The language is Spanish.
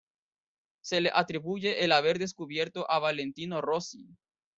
Se le atribuye el haber descubierto a Valentino Rossi.